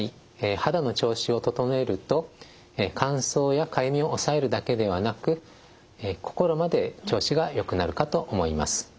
肌の調子を整えると乾燥やかゆみを抑えるだけではなく心まで調子がよくなるかと思います。